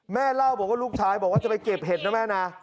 แม่เล่าบอกว่าลูกชายบอกว่าจะไปเก็บเห็ดนะแม่นะ